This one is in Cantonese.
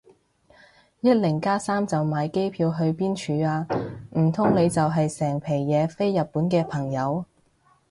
一零加三就買機票去邊處啊？唔通你就係成皮嘢飛日本嘅朋友